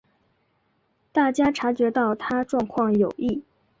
大家察觉到她状况有异